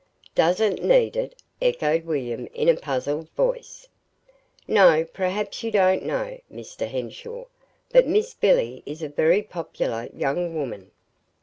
"'Doesn't need it,'" echoed William in a puzzled voice. "No. Perhaps you don't know, Mr. Henshaw, but Miss Billy is a very popular young woman.